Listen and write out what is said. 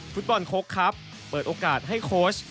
ฟุตบอลโค้กครับเปิดโอกาสให้โค้ช